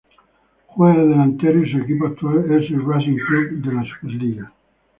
Juega de delantero y su equipo actual es el Racing Club de la Superliga.